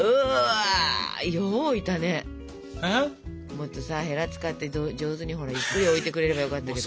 もっとさヘラ使って上手にゆっくり置いてくれればよかったけど。